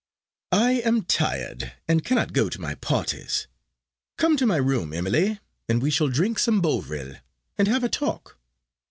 "I am tired, and cannot go to my parties. Come to my room, Emily, and we will drink some Bovril, and have a talk.